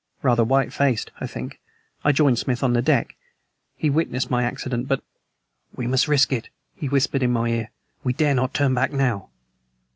Rather white faced, I think, I joined Smith on the deck. He had witnessed my accident, but "We must risk it," he whispered in my ear. "We dare not turn back now."